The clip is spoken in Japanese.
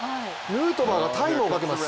ヌートバーがタイムをかけます。